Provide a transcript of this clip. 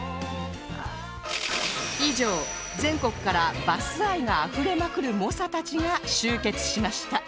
以上全国からバス愛があふれまくる猛者たちが集結しました